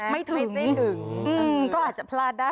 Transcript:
ไม่ถึงก็อาจจะพลาดได้